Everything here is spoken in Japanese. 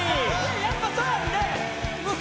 やっぱそうやんね。